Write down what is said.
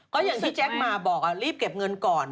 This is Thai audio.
ก็อย่างที่แจ๊คมาบอกรีบเก็บเงินก่อน